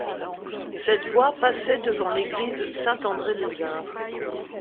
Cette voie passait devant l'église Saint-André-des-Arts.